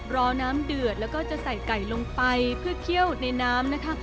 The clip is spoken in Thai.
รอน้ำเดือดแล้วก็จะใส่ไก่ลงไปเพื่อเคี่ยวในน้ำนะคะ